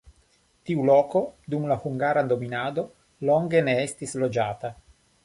Tiu loko dum la hungara dominado longe ne estis loĝata.